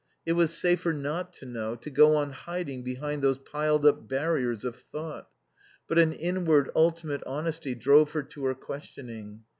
It was safer not to know, to go on hiding behind those piled up barriers of thought. But an inward, ultimate honesty drove her to her questioning.